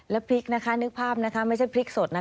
แล้วพริกนะคะนึกภาพนะคะไม่ใช่พริกสดนะคะ